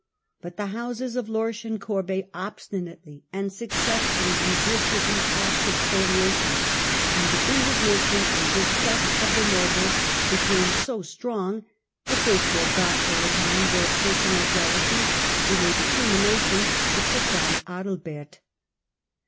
But the houses of Lorsch and Corbey obstinately and successfully resisted these acts of spoliation ; and the indignation and dis gust of the nobles became so strong that they forgot for a time their personal jealousies in a determination to put down Adalbert.